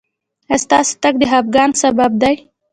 ایا ستاسو تګ د خفګان سبب دی؟